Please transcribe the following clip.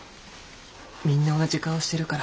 みんな同じ顔してるから。